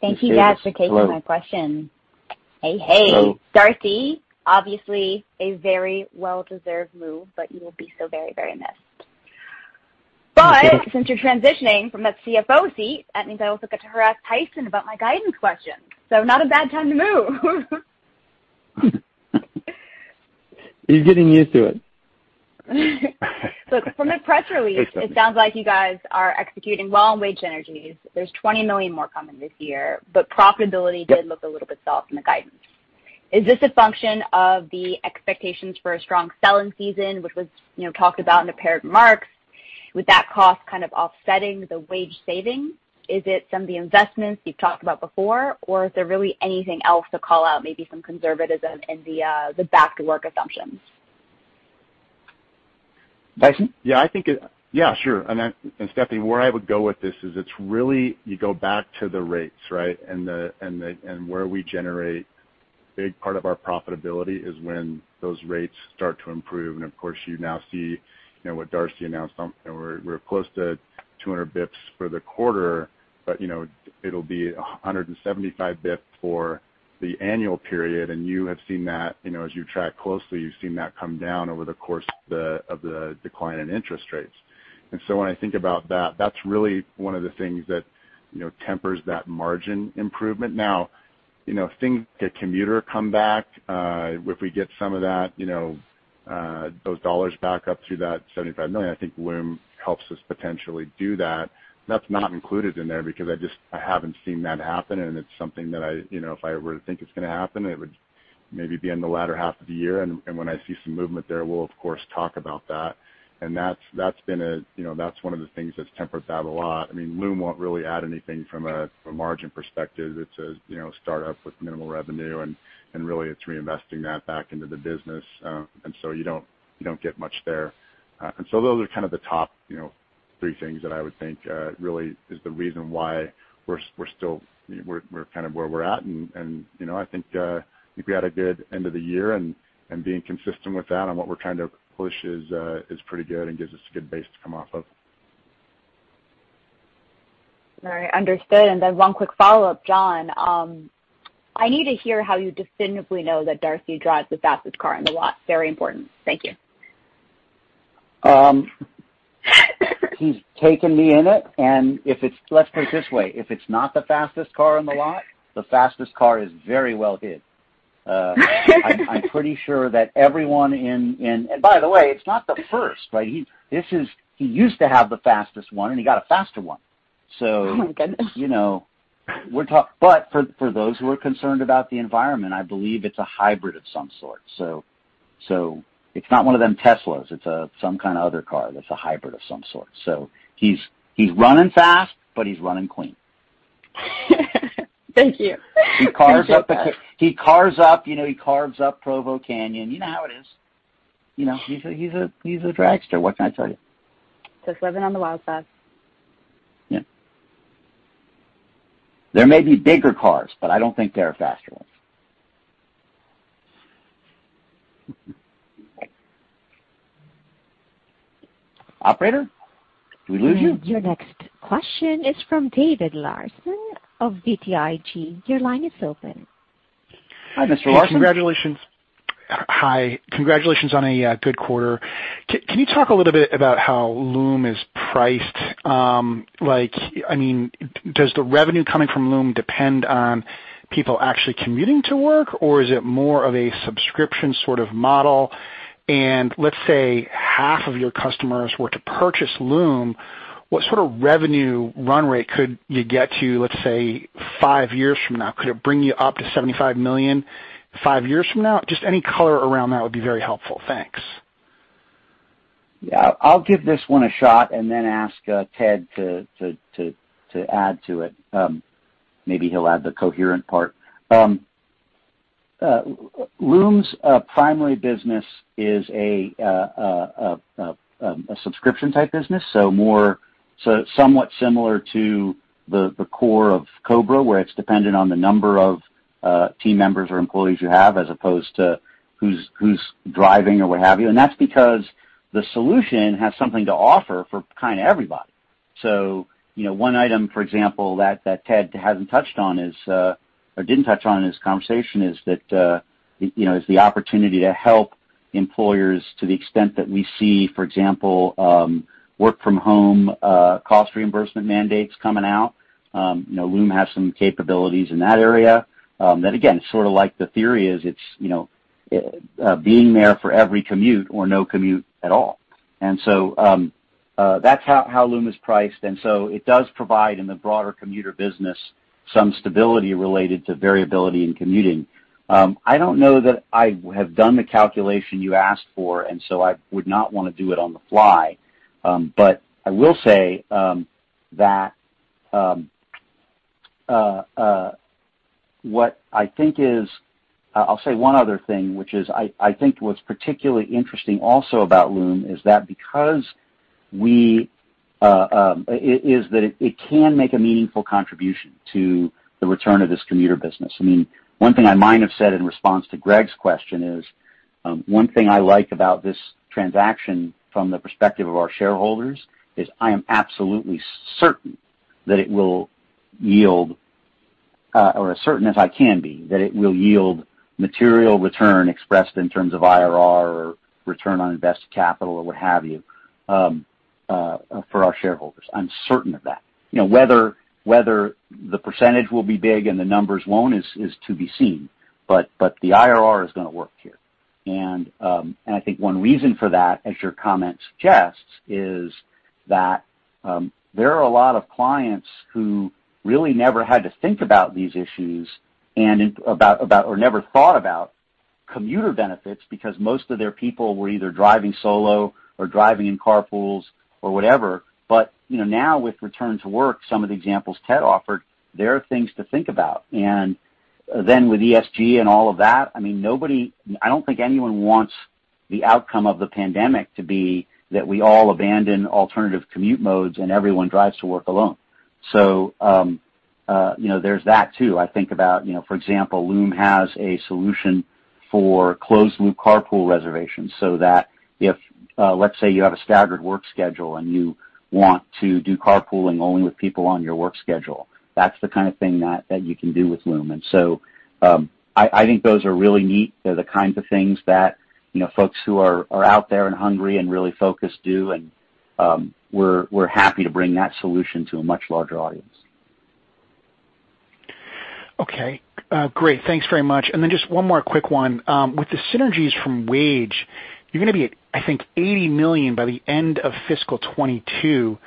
Thank you guys for taking my question. Hey, hey. Hello. Darcy, obviously a very well-deserved move, but you will be so very missed. Since you're transitioning from that CFO seat, that means I also get to harass Tyson about my guidance question. Not a bad time to move. He's getting used to it. Look, from the press release, it sounds like you guys are executing well on WageWorks synergies. There's $20 million more coming this year. Profitability did look a little bit soft in the guidance. Is this a function of the expectations for a strong selling season, which was talked about in a pair of remarks? With that cost kind of offsetting the WageWorks saving, is it some of the investments you've talked about before, or is there really anything else to call out, maybe some conservatism in the back to work assumptions? Tyson? Yeah, sure. Stephanie, where I would go with this is it's really, you go back to the rates, right? Where we generate big part of our profitability is when those rates start to improve. Of course, you now see what Darcy announced, we're close to 200 basis points for the quarter, but it'll be 175 basis points for the annual period. You have seen that as you track closely, you've seen that come down over the course of the decline in interest rates. When I think about that's really one of the things that tempers that margin improvement. Now, things like a commuter comeback, if we get some of those dollars back up through that $75 million, I think Luum helps us potentially do that. That's not included in there because I haven't seen that happen, and it's something that if I were to think it's going to happen, it would maybe be in the latter half of the year. When I see some movement there, we'll of course talk about that. That's one of the things that's tempered that a lot. Luum won't really add anything from a margin perspective. It's a startup with minimal revenue, and really it's reinvesting that back into the business. You don't get much there. Those are kind of the top three things that I would think really is the reason why we're kind of where we're at. I think we had a good end of the year and being consistent with that and what we're trying to push is pretty good and gives us a good base to come off of. All right. Understood. Then one quick follow-up, Jon. I need to hear how you definitively know that Darcy drives the fastest car in the lot. Very important. Thank you. He's taken me in it. Let's put it this way, if it's not the fastest car in the lot, the fastest car is very well hid. I'm pretty sure that everyone in By the way, it's not the first, right? He used to have the fastest one, and he got a faster one. Oh, my goodness. For those who are concerned about the environment, I believe it's a hybrid of some sort. It's not one of them Teslas. It's some kind of other car that's a hybrid of some sort. He's running fast, but he's running clean. Thank you. You did that. He carves up Provo Canyon. You know how it is. He's a dragster. What can I tell you? Just living on the wild side. Yeah. There may be bigger cars, but I don't think there are faster ones. Operator, did we lose you? Your next question is from David Larsen of BTIG. Your line is open. Hi, Mr. Larsen. Hi. Congratulations on a good quarter. Can you talk a little bit about how Luum is priced? Does the revenue coming from Luum depend on people actually commuting to work, or is it more of a subscription sort of model? Let's say half of your customers were to purchase Luum, what sort of revenue run rate could you get to, let's say, five years from now? Could it bring you up to $75 million five years from now? Just any color around that would be very helpful. Thanks. Yeah. I'll give this one a shot then ask Ted to add to it. Maybe he'll add the coherent part. Luum's primary business is a subscription-type business, somewhat similar to the core of COBRA, where it's dependent on the number of team members or employees you have as opposed to who's driving or what have you. That's because the solution has something to offer for kind of everybody. One item, for example, that Ted hasn't touched on is, or didn't touch on in his conversation is the opportunity to help employers to the extent that we see, for example, work from home cost reimbursement mandates coming out. Luum has some capabilities in that area. That again, sort of the theory is it's being there for every commute or no commute at all. That's how Luum is priced. It does provide, in the broader commuter business, some stability related to variability in commuting. I don't know that I have done the calculation you asked for, I would not want to do it on the fly. I will say one other thing, which is I think what's particularly interesting also about Luum is that it can make a meaningful contribution to the return of this commuter business. One thing I might have said in response to Greg's question is, one thing I like about this transaction from the perspective of our shareholders is I am absolutely certain, or as certain as I can be, that it will yield material return expressed in terms of IRR or return on invested capital or what have you for our shareholders. I'm certain of that. Whether the percentage will be big and the numbers won't is to be seen, the IRR is going to work here. I think one reason for that, as your comment suggests, is that there are a lot of clients who really never had to think about these issues or never thought about commuter benefits because most of their people were either driving solo or driving in carpools or whatever. Now with return to work, some of the examples Ted offered, there are things to think about. Then with ESG and all of that, I don't think anyone wants the outcome of the pandemic to be that we all abandon alternative commute modes and everyone drives to work alone. There's that too. I think about, for example, Luum has a solution for closed-loop carpool reservations, so that if, let's say, you have a staggered work schedule and you want to do carpooling only with people on your work schedule. That's the kind of thing that you can do with Luum. I think those are really neat. They're the kinds of things that folks who are out there and hungry and really focused do, and we're happy to bring that solution to a much larger audience. Okay. Great. Thanks very much. Then just one more quick one. With the synergies from Wage, you're going to be, I think, $80 million by the end of fiscal 2022.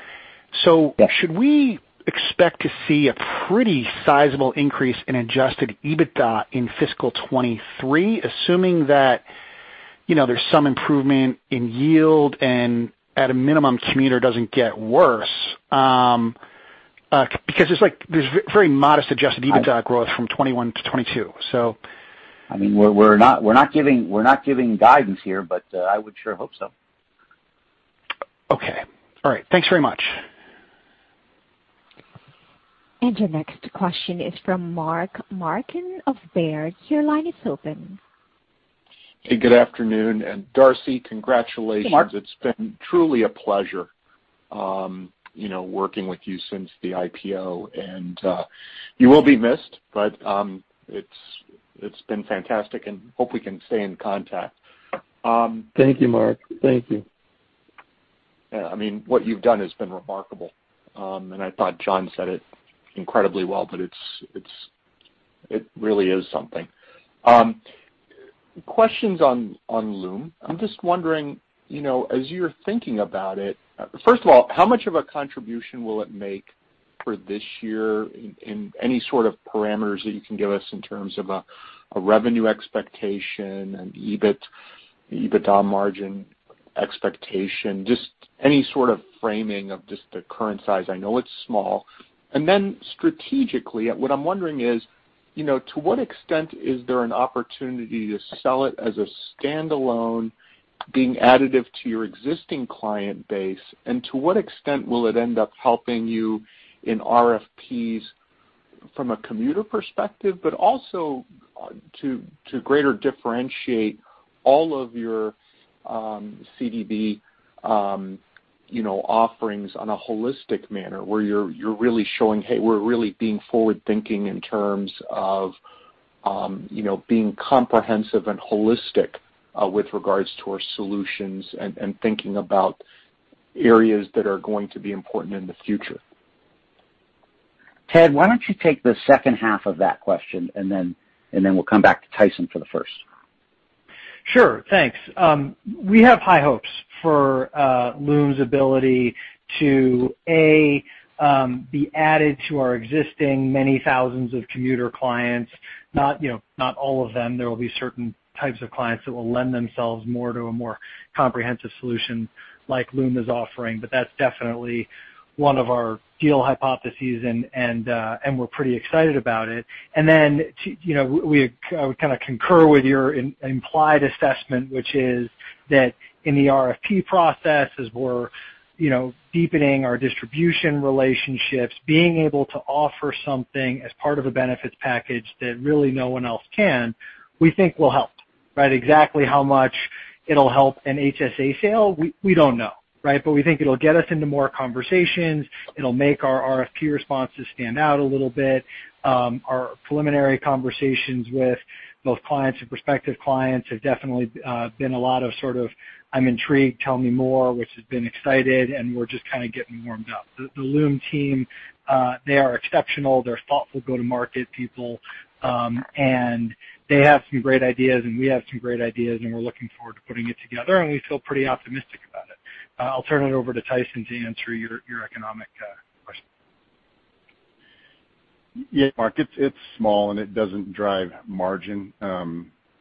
Yeah. Should we expect to see a pretty sizable increase in adjusted EBITDA in fiscal 2023, assuming that there's some improvement in yield and at a minimum, commuter doesn't get worse? Because there's very modest adjusted EBITDA growth from 2021 to 2022. We're not giving guidance here, I would sure hope so. Okay. All right. Thanks very much. Your next question is from Mark Marcon of Baird. Your line is open. Hey, good afternoon. Darcy, congratulations. Hey, Mark. It's been truly a pleasure working with you since the IPO, you will be missed, but it's been fantastic, hope we can stay in contact. Thank you, Mark. Thank you. Yeah. What you've done has been remarkable. I thought Jon said it incredibly well, it really is something. Questions on Luum. I'm just wondering, as you're thinking about it, first of all, how much of a contribution will it make for this year, any sort of parameters that you can give us in terms of a revenue expectation, an EBIT, EBITDA margin expectation, just any sort of framing of just the current size. I know it's small. Then strategically, what I'm wondering is, to what extent is there an opportunity to sell it as a standalone being additive to your existing client base? To what extent will it end up helping you in RFPs from a commuter perspective, but also to greater differentiate all of your CDB offerings on a holistic manner where you're really showing, hey, we're really being forward-thinking in terms of being comprehensive and holistic with regards to our solutions and thinking about areas that are going to be important in the future? Ted, why don't you take the second half of that question, and then we'll come back to Tyson for the first. Sure. Thanks. We have high hopes for Luum's ability to, A, be added to our existing many thousands of commuter clients, not all of them. There will be certain types of clients that will lend themselves more to a more comprehensive solution like Luum is offering. That's definitely one of our deal hypotheses, and we're pretty excited about it. Then, we kind of concur with your implied assessment, which is that in the RFP process, as we're deepening our distribution relationships, being able to offer something as part of a benefits package that really no one else can, we think will help. Right? Exactly how much it'll help an HSA sale, we don't know. Right? We think it'll get us into more conversations. It'll make our RFP responses stand out a little bit. Our preliminary conversations with both clients and prospective clients have definitely been a lot of sort of, "I'm intrigued, tell me more," which has been exciting, and we're just kind of getting warmed up. The Luum team, they are exceptional. They're thoughtful go-to-market people. They have some great ideas, and we have some great ideas, and we're looking forward to putting it together, and we feel pretty optimistic about it. I'll turn it over to Tyson to answer your economic question. Yeah, Mark, it's small, it doesn't drive margin,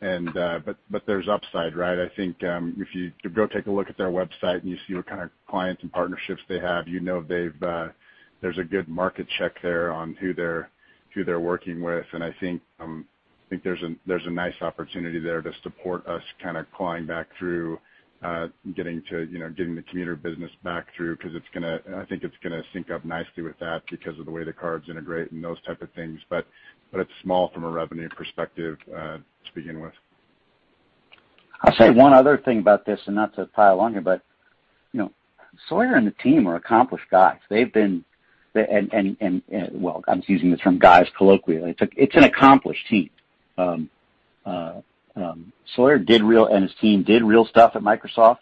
there's upside, right? I think, if you go take a look at their website and you see what kind of clients and partnerships they have, you know there's a good market check there on who they're working with. I think there's a nice opportunity there to support us kind of clawing back through, getting the commuter business back through, because I think it's going to sync up nicely with that because of the way the cards integrate and those type of things. It's small from a revenue perspective to begin with. I'll say one other thing about this, and not to pile on here, but Sawyer and the team are accomplished guys. Well, I'm using the term guys colloquially. It's an accomplished team. Sawyer and his team did real stuff at Microsoft,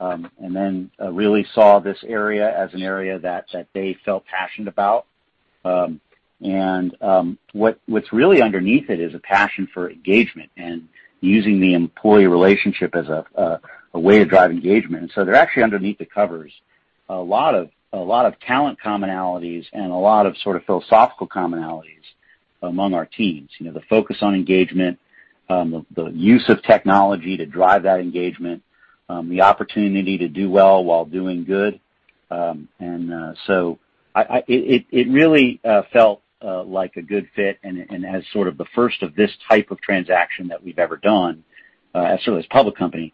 then really saw this area as an area that they felt passionate about. What's really underneath it is a passion for engagement and using the employee relationship as a way to drive engagement. There are actually, underneath the covers, a lot of talent commonalities and a lot of sort of philosophical commonalities among our teams. The focus on engagement, the use of technology to drive that engagement, the opportunity to do well while doing good. It really felt like a good fit and as sort of the first of this type of transaction that we've ever done, certainly as a public company,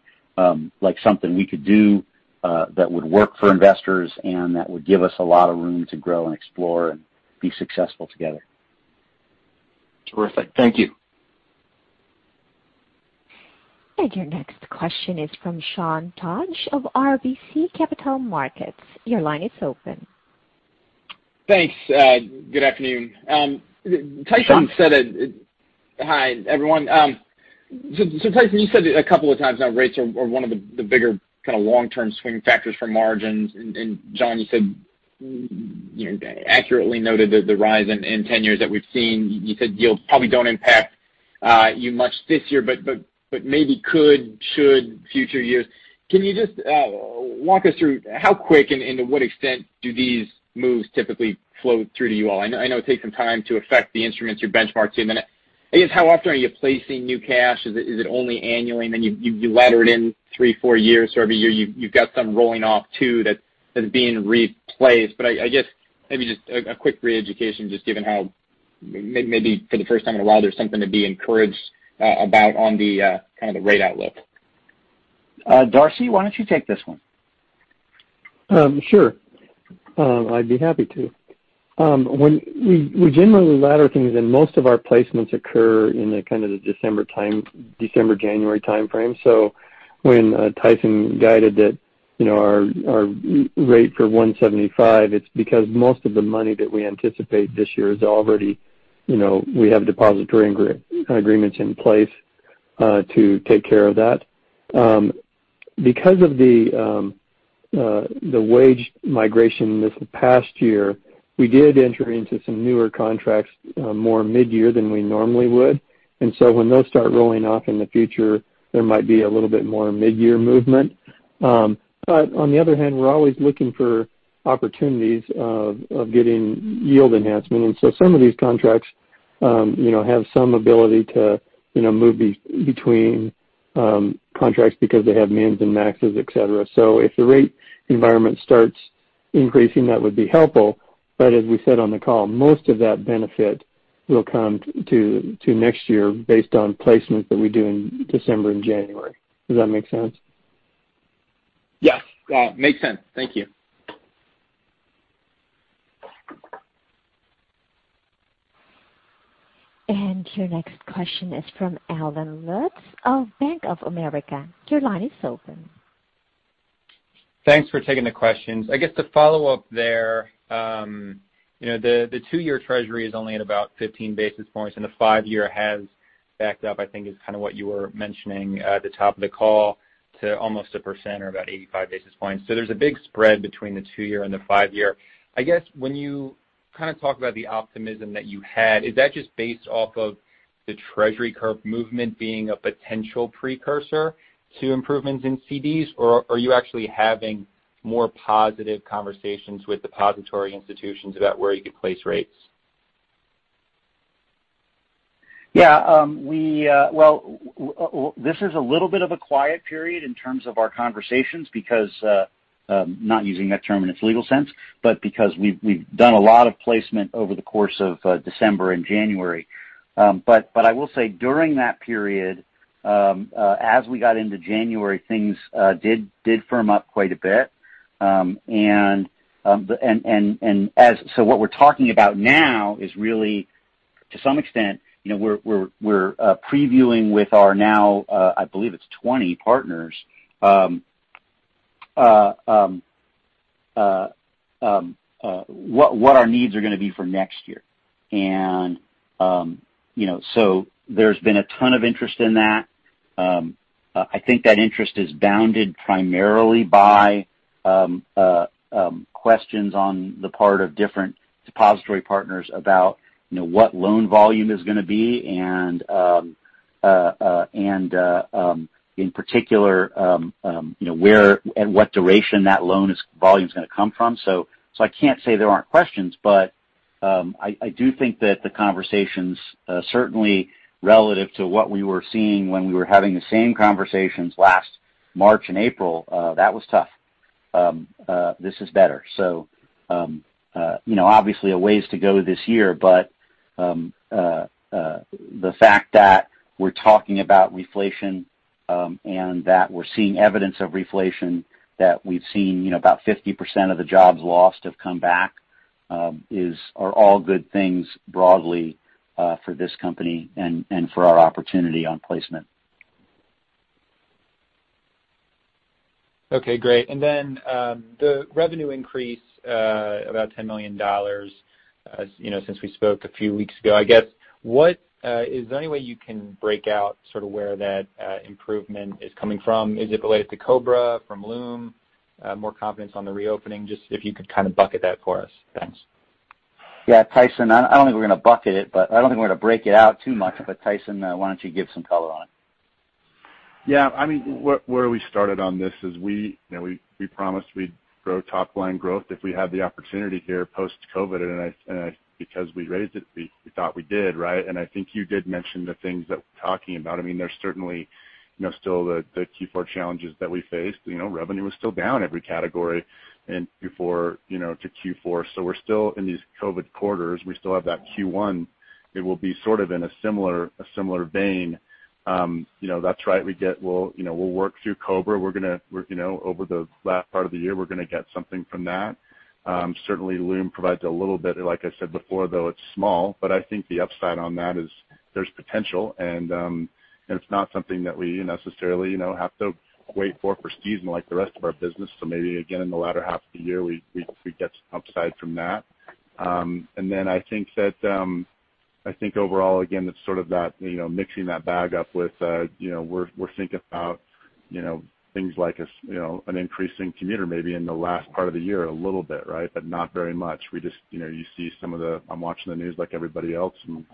like something we could do that would work for investors and that would give us a lot of room to grow and explore and be successful together. Terrific. Thank you. Your next question is from Sean Dodge of RBC Capital Markets. Your line is open. Thanks. Good afternoon. Sean. Hi, everyone. Tyson, you said a couple of times now rates are one of the bigger kind of long-term swing factors for margins. Jon, you accurately noted the rise in tenors that we've seen. You said yields probably don't impact you much this year, but maybe could, should, future years. Can you just walk us through how quick and to what extent do these moves typically flow through to you all? I know it takes some time to affect the instruments you're benchmarked to. Then I guess, how often are you placing new cash? Is it only annually and then you ladder it in three, four years, so every year you've got some rolling off too that's being replaced? I guess maybe just a quick reeducation, just given how maybe for the first time in a while, there's something to be encouraged about on the kind of rate outlook. Darcy, why don't you take this one? Sure. I'd be happy to. We generally ladder things and most of our placements occur in the kind of December, January timeframe. When Tyson guided that our rate for 175, it's because most of the money that we anticipate this year is already, we have depository agreements in place To take care of that. Because of the wage migration this past year, we did enter into some newer contracts more mid-year than we normally would. When those start rolling off in the future, there might be a little bit more mid-year movement. On the other hand, we're always looking for opportunities of getting yield enhancement. Some of these contracts have some ability to move between contracts because they have mins and maxes, et cetera. If the rate environment starts increasing, that would be helpful. As we said on the call, most of that benefit will come to next year based on placements that we do in December and January. Does that make sense? Yes. Makes sense. Thank you. Your next question is from Allen Lutz of Bank of America. Your line is open. Thanks for taking the questions. I guess the follow-up there. The two-year treasury is only at about 15 basis points, and the five-year has backed up, I think is kind of what you were mentioning at the top of the call, to almost 1% or about 85 basis points. There's a big spread between the two-year and the five-year. I guess when you kind of talk about the optimism that you had, is that just based off of the treasury curve movement being a potential precursor to improvements in CDs? Or are you actually having more positive conversations with depository institutions about where you could place rates? Yeah. Well, this is a little bit of a quiet period in terms of our conversations because, not using that term in its legal sense, but because we've done a lot of placement over the course of December and January. I will say, during that period, as we got into January, things did firm up quite a bit. What we're talking about now is really, to some extent, we're previewing with our now, I believe it's 20 partners, what our needs are going to be for next year. There's been a ton of interest in that. I think that interest is bounded primarily by questions on the part of different depository partners about what loan volume is going to be and, in particular, at what duration that loan volume is going to come from. I can't say there aren't questions, but I do think that the conversations, certainly relative to what we were seeing when we were having the same conversations last March and April, that was tough. This is better. Obviously a ways to go this year, but the fact that we're talking about reflation and that we're seeing evidence of reflation, that we've seen about 50% of the jobs lost have come back, are all good things broadly for this company and for our opportunity on placement. Okay, great. The revenue increase about $10 million since we spoke a few weeks ago. I guess, is there any way you can break out sort of where that improvement is coming from? Is it related to COBRA from Luum? More confidence on the reopening? Just if you could kind of bucket that for us. Thanks. Yeah. Tyson, I don't think we're going to bucket it. I don't think we're going to break it out too much. Tyson, why don't you give some color on it? Yeah. Where we started on this is we promised we'd grow top-line growth if we had the opportunity here post-COVID. Because we raised it, we thought we did, right? I think you did mention the things that we're talking about. There's certainly still the Q4 challenges that we faced. Revenue was still down every category and before to Q4. We're still in these COVID quarters. We still have that Q1. It will be sort of in a similar vein. That's right. We'll work through COBRA. Over the last part of the year, we're going to get something from that. Certainly, Luum provides a little bit, like I said before, though it's small. I think the upside on that is there's potential, and it's not something that we necessarily have to wait for season like the rest of our business. Maybe again, in the latter half of the year, we get some upside from that. I think overall, again, it's sort of that mixing that bag up with we're thinking about things like an increasing commuter maybe in the last part of the year a little bit, right? Not very much. I'm watching the news like everybody else and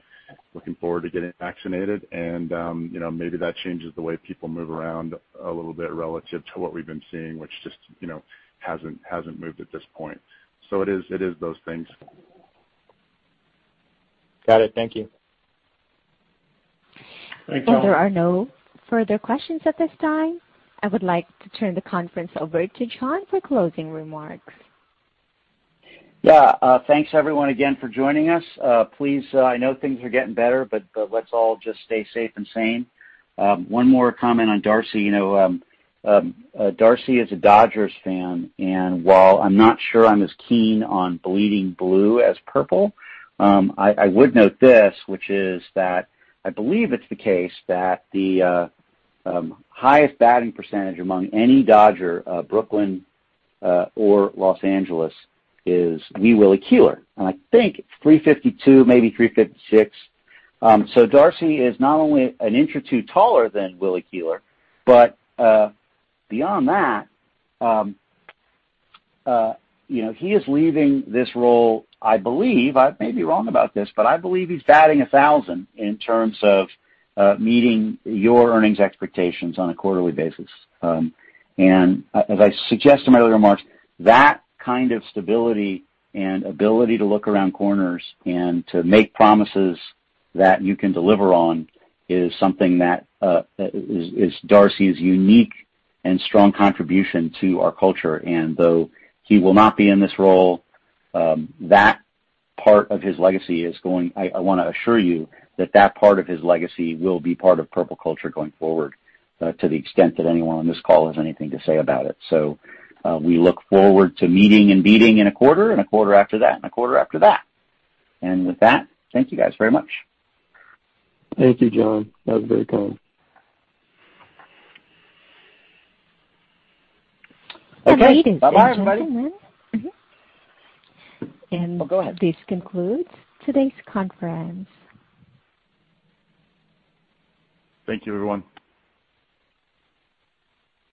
looking forward to getting vaccinated. Maybe that changes the way people move around a little bit relative to what we've been seeing, which just hasn't moved at this point. It is those things. Got it. Thank you. Thanks, Allen. There are no further questions at this time. I would like to turn the conference over to Jon for closing remarks. Yeah. Thanks everyone again for joining us. Please, I know things are getting better, but let's all just stay safe and sane. One more comment on Darcy. Darcy is a Dodgers fan, and while I'm not sure I'm as keen on bleeding blue as Purple, I would note this, which is that I believe it's the case that the highest batting percentage among any Dodger, Brooklyn or Los Angeles, is me, Willie Keeler. I think it's .352, maybe .356. Darcy is not only an inch or two taller than Willie Keeler, but beyond that, he is leaving this role, I believe, I may be wrong about this, but I believe he's batting 1,000 in terms of meeting your earnings expectations on a quarterly basis. As I suggest in my earlier remarks, that kind of stability and ability to look around corners and to make promises that you can deliver on is something that is Darcy's unique and strong contribution to our culture. Though he will not be in this role, I want to assure you that that part of his legacy will be part of Purple culture going forward to the extent that anyone on this call has anything to say about it. We look forward to meeting and beating in a quarter, and a quarter after that, and a quarter after that. With that, thank you guys very much. Thank you, Jon. That was very kind. Ladies and gentlemen- Oh, go ahead This concludes today's conference. Thank you, everyone.